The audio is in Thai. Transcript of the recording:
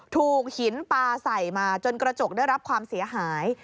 ถูกหินปลาใส่มาจนกระจกได้รับความเสียหาย